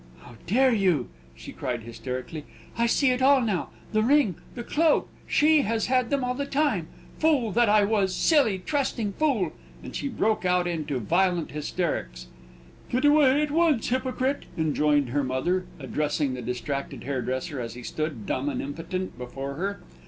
"How dare you!" she cried, hysterically. "I see it all now: the ring, the the cloak; she has had them all the time!.... Fool that I was silly, trusting fool!" And she broke out into violent hysterics. "Go away at once, hypocrite!" enjoined her mother, addressing the distracted hairdresser, as he stood, dumb and impotent, before her.